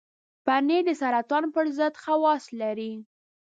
پنېر د سرطان پر ضد خواص لري.